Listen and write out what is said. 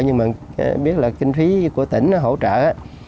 nhưng mà biết là kinh phí của tỉnh hỗ trợ á